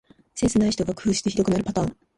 センスない人が工夫してひどくなるパターン